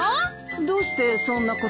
どうしてそんなことを？